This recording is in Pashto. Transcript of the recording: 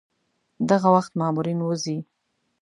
دغه وخت مامورین وځي.